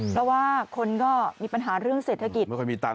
เพราะว่าคนก็มีปัญหาเรื่องเศรษฐกิจ